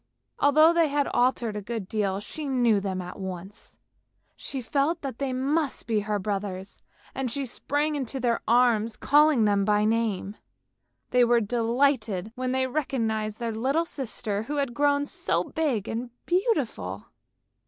Although they had altered a good deal, she knew them at once; she felt that they must be her brothers and she sprang into their arms, calling them by name. They were delighted when they recognised their little sister who had grown so big and beautiful.